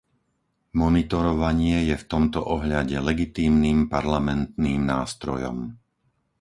Monitorovanie je v tomto ohľade legitímnym parlamentným nástrojom.